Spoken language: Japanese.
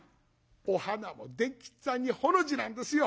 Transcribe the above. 「お花も伝吉っつぁんにほの字なんですよ」。